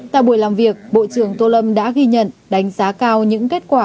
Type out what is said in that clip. tại buổi làm việc bộ trưởng tô lâm đã ghi nhận đánh giá cao những kết quả